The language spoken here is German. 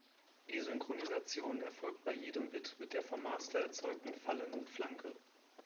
Die Synchronisation erfolgt bei jedem Bit mit der vom Master erzeugten fallenden Flanke.